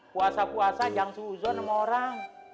puasa puasa jangan seuzon sama orang